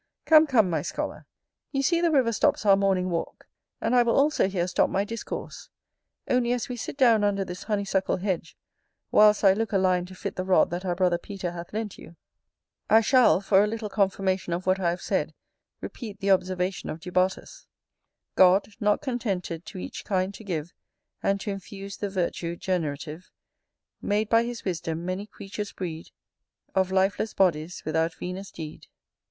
Come, come, my scholar, you see the river stops our morning walk: and I will also here stop my discourse: only as we sit down under this honeysuckle hedge, whilst I look a line to fit the rod that our brother Peter hath lent you, I shall, for a little confirmation of what I have said, repeat the observation of Du Bartas: God, not contented to each kind to give And to infuse the virtue generative, Made, by his wisdom, many creatures breed Of lifeless bodies, without Venus' deed.